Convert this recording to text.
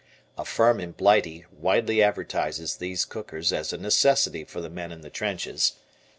(A firm in Blighty widely advertises these cookers as a necessity for the men in the trenches.